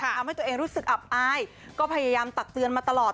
ทำให้ตัวเองรู้สึกอับอายก็พยายามตักเตือนมาตลอด